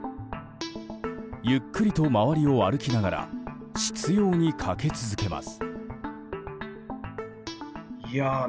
ゆっくりと周りを歩きながら執拗にかけ続けます。